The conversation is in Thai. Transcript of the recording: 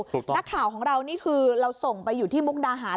นักข่าวของเรานี่คือเราส่งไปอยู่ที่มุกดาหาร